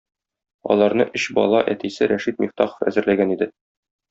Аларны өч бала әтисе Рәшит Мифтахов әзерләгән иде.